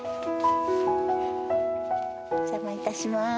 お邪魔いたします。